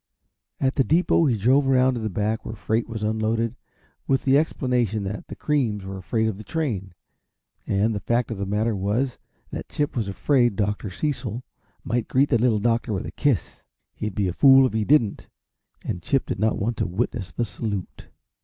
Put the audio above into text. At the depot he drove around to the back where freight was unloaded, with the explanation that the creams were afraid of the train and the fact of that matter was, that Chip was afraid Dr. Cecil might greet the Little Doctor with a kiss he'd be a fool if he didn't and Chip did not want to witness the salute.